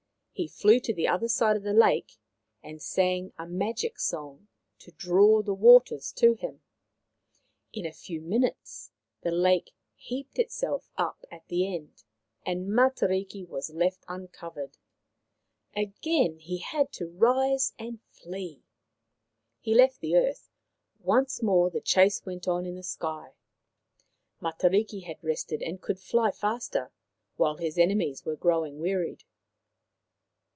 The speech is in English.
He flew to the other side of the lake and sang a magic song to draw the waters to him. In a few minutes the lake heaped itself up at the end, 128 Maoriland Fairy Tales and Matariki was left uncovered. Again he had to rise and flee. He left the earth ; once more the chase went on in the sky. Matariki had rested and could fly faster, while his enemies were growing wearied.